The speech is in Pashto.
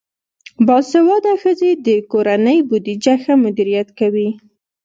باسواده ښځې د کورنۍ بودیجه ښه مدیریت کوي.